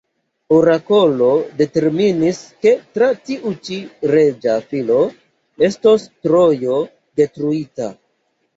Orakolo determinis, ke tra tiu ĉi reĝa filo estos Trojo detruita.